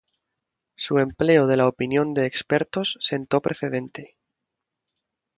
Su empleo de la opinión de expertos sentó precedente.